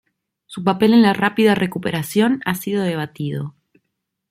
Su papel en la rápida recuperación ha sido debatido.